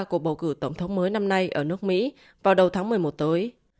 của bầu cử tổng thống mới năm nay ở nước mỹ vào đầu tháng một mươi một tối